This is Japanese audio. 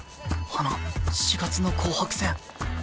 あの４月の紅白戦。